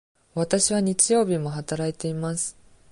わたしは日曜日も働いています。